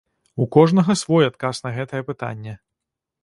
У кожнага свой адказ на гэтае пытанне.